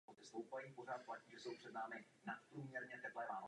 Justin trpěl v této době duševní chorobou a sám už nebyl schopný vládnout.